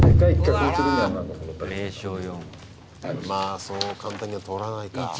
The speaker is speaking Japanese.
まあそう簡単には通らないか。